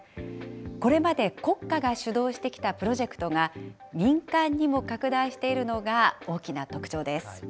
これまで国家が主導してきたプロジェクトが、民間にも拡大しているのが大きな特徴です。